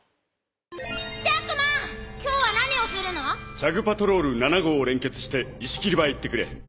「チャグ・パトロール７号をれんけつして石切り場へ行ってくれ」